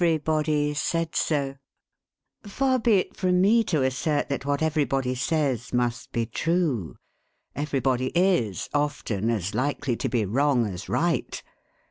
EVERYBODY said so. Far be it from me to assert that what every body says must be true. Everybody is, often, as likely to be wrong as right.